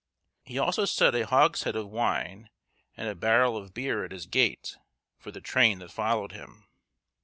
He also set a hogshead of wine and a barrel of beer at his gate, for the train that followed him.